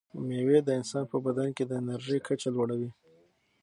مېوې د انسان په بدن کې د انرژۍ کچه لوړوي.